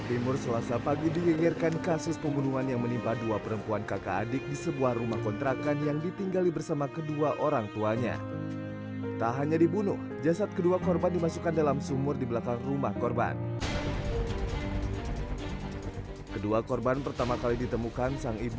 ini sepengatnya jadi calon